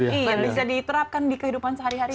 bisa diterapkan di kehidupan sehari hari juga